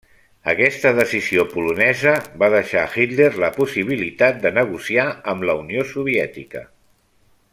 Aquesta decisió polonesa va deixar a Hitler la possibilitat de negociar amb la Unió Soviètica.